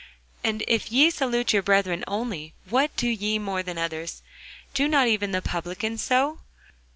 And if ye salute your brethren only, what do ye more than others? do not even the publicans so?